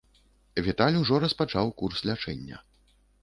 Віталь ужо распачаў курс лячэння.